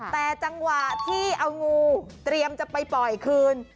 แต่จังหวะที่เอางูเตรียมจะไปปล่อยคืน